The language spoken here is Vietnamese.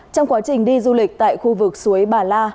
trong quá trình đi du lịch tại khu vực suối bà la